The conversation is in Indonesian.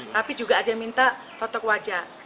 tapi juga ada yang minta totok wajah